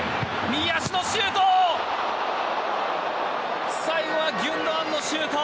右足のシュート。